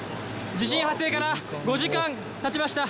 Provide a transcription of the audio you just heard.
地震発生から５時間たちました